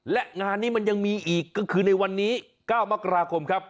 และงานนี้มันยังมีอีกก็คือในวันนี้๙มกราคมครับ